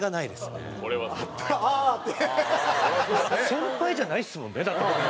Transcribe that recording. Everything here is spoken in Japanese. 先輩じゃないですもんねだって僕の。